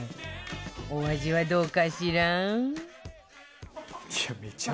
お味はどうかしら？